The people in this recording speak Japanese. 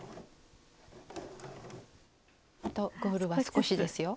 あとゴールは少しですよ。